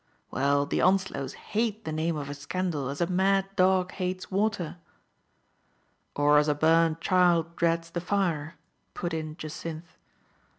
Well, the On slows hate the name of a scandal as a mad dog hates water." " Or as a burnt child dreads the fire," put in Jacynth.